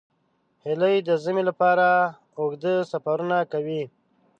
هیلۍ د ژمي لپاره اوږده سفرونه کوي